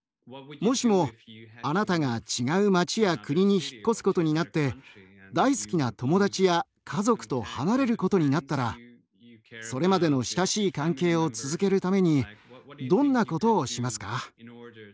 もしもあなたが違う町や国に引っ越すことになって大好きな友達や家族と離れることになったらそれまでの親しい関係を続けるためにどんなことをしますか？